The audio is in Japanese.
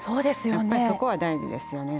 やっぱりそこは大事ですよね。